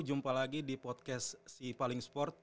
jumpa lagi di podcast si paling sport